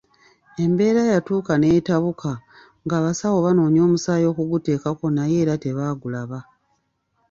Embeera yatuuka n'etabuka ng'abasawo banoonya omusaayi okuguteekako naye era tebagulaba.